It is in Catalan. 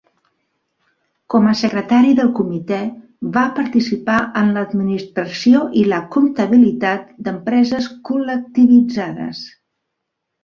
Com a secretari del Comitè va participar en l'administració i la comptabilitat d'empreses col·lectivitzades.